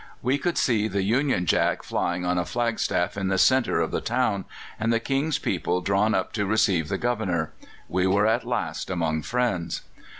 We could see the Union Jack flying on a flagstaff in the centre of the town, and the King's people drawn up to receive the Governor. We were at last among friends.